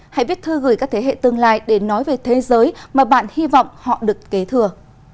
hãy viết thư gửi các thế hệ tương lai để nói về thế giới mà bạn hy vọng họ được kế thừa